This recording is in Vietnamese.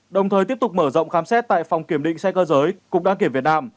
đồng thời tiếp tục mở rộng khám xét tại phòng kiểm định xe cơ giới cục đăng kiểm việt nam